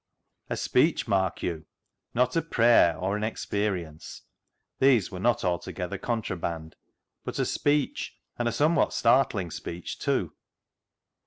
A speech, mark you ; not a prayer or an experience — these were not altogether contra band — but a speech, and a somewhat startling speech, too.